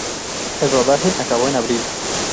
El rodaje acabó en abril.